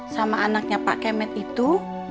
sama anaknya pak kemen itu